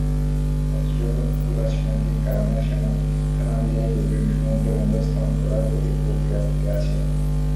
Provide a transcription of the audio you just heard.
অথচ ভূরাজনৈতিক কারণে সোনাদিয়ায় গভীর সমুদ্রবন্দর স্থাপন করার প্রক্রিয়া আটকে আছে।